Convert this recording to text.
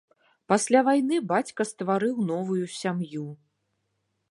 Пасля вайны бацька стварыў новаю сям'ю.